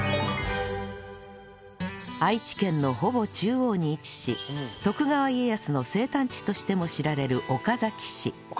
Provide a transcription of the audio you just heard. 愛知県のほぼ中央に位置し徳川家康の生誕地としても知られる岡崎市